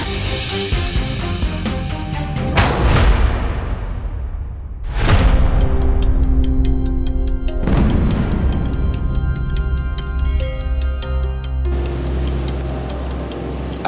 ibu gak apa apa